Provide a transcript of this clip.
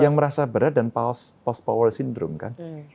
yang merasa berat dan post power syndrome kan